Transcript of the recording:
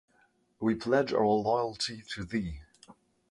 We pledge our loyalty to thee".